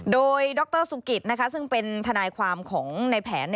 โดยดรสุกิตซึ่งเป็นทนายความของในแผน